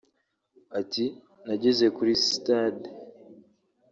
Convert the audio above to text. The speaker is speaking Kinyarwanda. Ati “Nageze kuri sitade